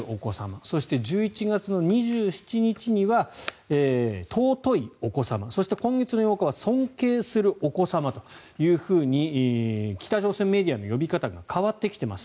そして、１１月の２７日には尊いお子様そして今月８日は尊敬するお子様というふうに北朝鮮メディアの呼び方が変わってきています。